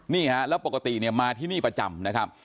นี่ฮะแล้วปกติเนี่ยมาที่นี่ประจำนะครับ